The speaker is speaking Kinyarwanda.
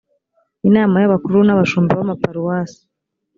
inama y’abakuru n’abashumba b’amaparuwasi